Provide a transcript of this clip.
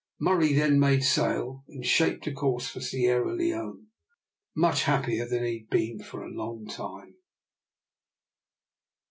Murray then made sail and shaped a course for Sierra Leone, much happier than he had been for a long time.